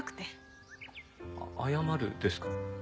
謝るですか？